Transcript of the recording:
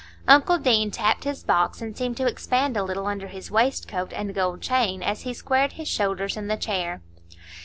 Uncle Deane tapped his box, and seemed to expand a little under his waistcoat and gold chain, as he squared his shoulders in the chair.